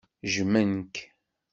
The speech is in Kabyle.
Jjmen-k.